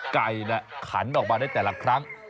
ไก่ขันออกมาได้แต่ละครั้ง